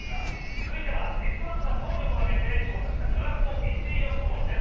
続いては「Ｓ☆１」が総力を上げて調査したドラフト予想です。